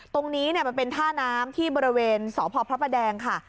ตรงนี้มันเป็นท่าน้ำที่บริเวณสพพระประแดงค่ะ